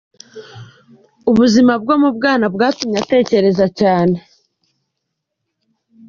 Ubuzima bwo mu bwana bwatumye atekereza cyane.